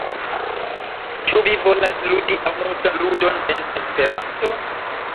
Ĉu vi volas ludi amuzan ludon en Esperanto?